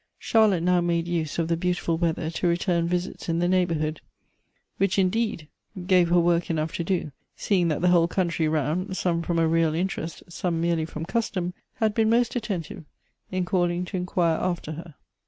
Charlotte now made use of the beauti ful weather to return visits in the neighborhood, which, Elective Affinities. 265 indeed, gave her work enough to do ; seeing that the whole country round, some from a real interest, some merely from custom, had been most attentive in calling to inquire after her.